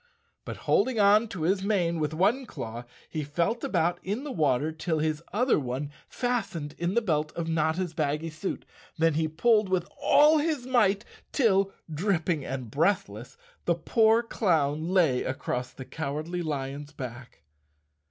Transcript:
But holding on to his mane with one claw, he felt about in the water till his other one fastened in the belt of Notta's baggy suit. Then he pulled with all his might till, dripping and breathless, the poor clown lay across the Cowardly Lion's back.